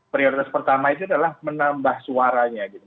prioritas pertama itu adalah menambah suaranya